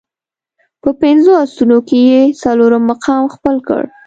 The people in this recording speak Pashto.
په پنځو اسونو کې یې څلورم مقام خپل کړ.